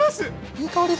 いい香り！